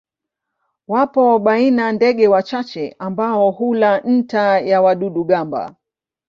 Wapo baina ndege wachache ambao hula nta ya wadudu-gamba.